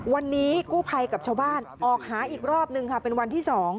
วันนี้กู้ภัยกับชาวบ้านออกหาอีกรอบนึงค่ะเป็นวันที่๒